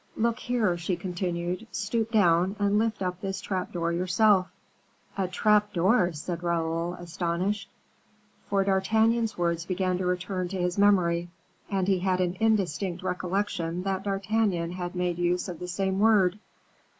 "Look here," she continued; "stoop down and lift up this trap door yourself." "A trap door!" said Raoul, astonished; for D'Artagnan's words began to return to his memory, and he had an indistinct recollection that D'Artagnan had made use of the same word.